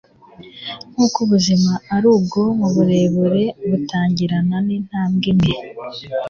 nkuko ubuzima ari ubwoko burebure butangirana nintambwe imwe